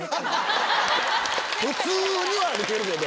普通には歩けるけど。